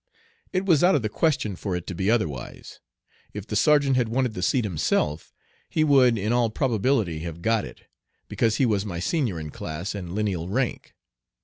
It was out of the question for it to be otherwise. If the sergeant had wanted the seat himself he would in all probability have got it, because he was my senior in class and lineal rank.